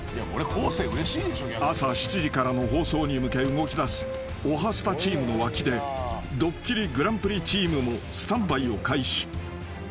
［朝７時からの放送に向け動きだす『おはスタ』チームの脇で『ドッキリＧＰ』チームもスタンバイを開始］